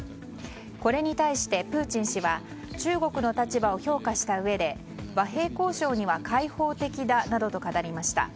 これに対してプーチン氏は中国の立場を評価したうえで和平交渉には開放的だなどと語りました。